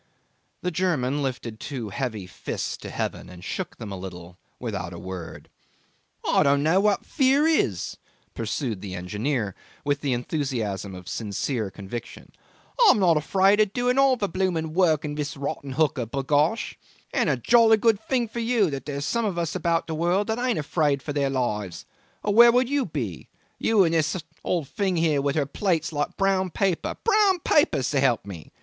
The German lifted two heavy fists to heaven and shook them a little without a word. 'I don't know what fear is,' pursued the engineer, with the enthusiasm of sincere conviction. 'I am not afraid of doing all the bloomin' work in this rotten hooker, b'gosh! And a jolly good thing for you that there are some of us about the world that aren't afraid of their lives, or where would you be you and this old thing here with her plates like brown paper brown paper, s'elp me?